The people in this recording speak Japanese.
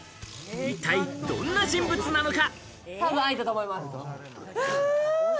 一体どんな人物なのか。